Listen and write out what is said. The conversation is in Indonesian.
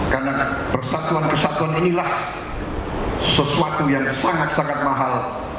karena persatuan kesatuan inilah sesuatu yang sangat sangat mahal